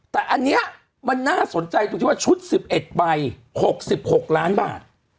แต่อันนี้มันน่าสนใจตรงที่ว่าชุด๑๑ใบ๖๖ล้านบาท